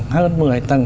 hơn mười tầng